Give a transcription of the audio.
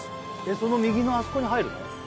その右のあそこに入るの？